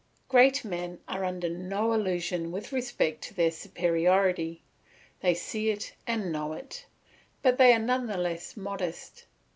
Great men are under no illusion with respect to their superiority; they see it and know it, but they are none the less modest.